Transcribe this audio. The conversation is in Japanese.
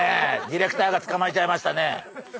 ディレクターがつかまえちゃいましたね。